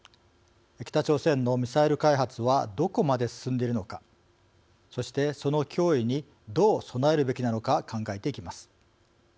北朝鮮のミサイル開発はどこまで進んでいるのかそしてその脅威にどう備えるべきなのか考えていきます。